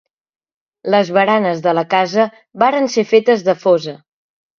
Les baranes de la casa varen ser fetes de fosa.